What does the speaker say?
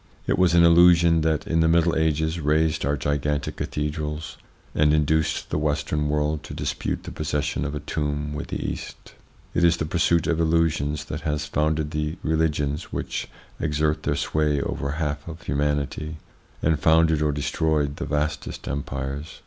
It was an illusion that, in the Middle Ages, raised our gigantic cathedrals, and induced the Western world to dispute the possession of a tomb with the East. It is the pursuit of illusions that has founded the religions which exert their sway over a half of humanity, and founded or destroyed the vastest empires.